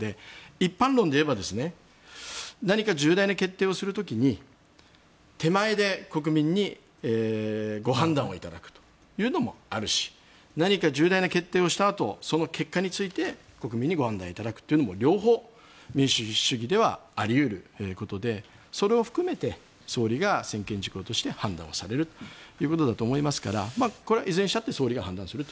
一般論で言えば何か重大な決定をする時に手前で国民にご判断をいただくというのもあるし何か重大な決定をしたあとその結果について国民にご判断いただくのも両方民主主義ではあり得ることでそれを含めて総理が専権事項として判断をされるということだと思いますからこれはいずれにしたって総理が判断すると。